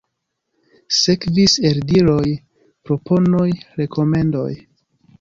Sekvis eldiroj, proponoj, rekomendoj.